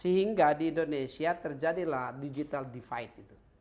sehingga di indonesia terjadilah digital divide itu